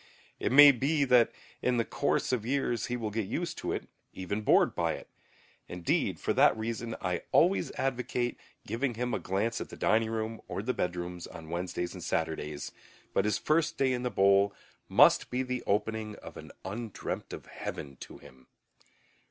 It may be that in the course of years he will get used to it, even bored by it; indeed, for that reason I always advocate giving him a glance at the dining room or the bedrooms on Wednesdays and Saturdays; but his first day in the bowl must be the opening of an undreamt of heaven to him.